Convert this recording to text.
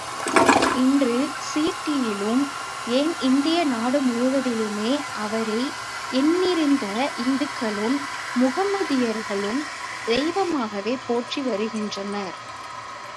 இன்று சீர்டியிலும், ஏன் இந்திய நாடு முழுவதிலுமே அவரை எண்ணிறந்த இந்துக்களும் முகம்மதியர்களும் தெய்வமாகவே போற்றி வருகின்றனர்.